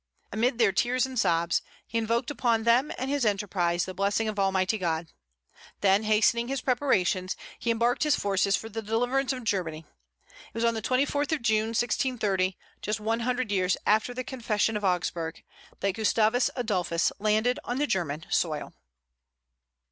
Amid their tears and sobs, he invoked upon them and his enterprise the blessing of Almighty God. Then, hastening his preparations, he embarked his forces for the deliverance of Germany. It was on the 24th of June, 1630, just one hundred years after the confession of Augsburg, that Gustavus Adolphus landed on the German soil.